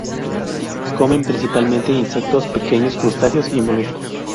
Comen principalmente insectos, pequeños crustáceos y moluscos.